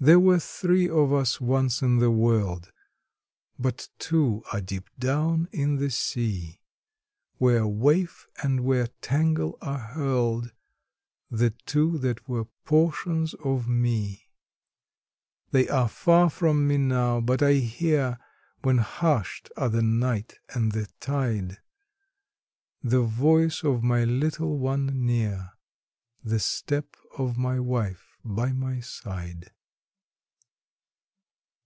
There were three of us once in the world; but two are deep down in the sea, Where waif and where tangle are hurled the two that were portions of me; They are far from me now, but I hear, when hushed are the night and the tide, The voice of my little one near the step of my wife by my side.